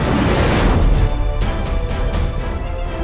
hancurkan kota yang paling tinggi